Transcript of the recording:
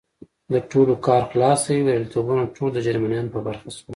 د ټولو کار خلاص دی، بریالیتوبونه ټول د جرمنیانو په برخه شول.